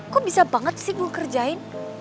kok bisa banget sih gue kerjain